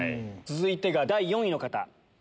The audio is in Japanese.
続いてが第４位の方。